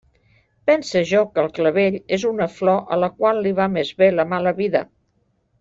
Pense jo que el clavell és una flor a la qual li va més bé la mala vida.